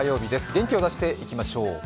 元気を出していきましょう。